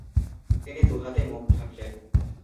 তিনি দু’হাতে মুখ ঢাকলেন।